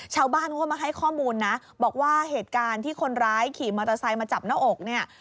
ชาวบ้านเขาก็มาให้ข้อมูลนะบอกว่าเหตุการณ์ที่คนร้ายขี่มอเตอร์ไซค์มาจับหน้าอกเนี่ย